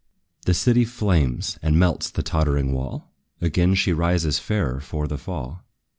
The city flames, and melts the tottering wall; Again she rises fairer for the fall.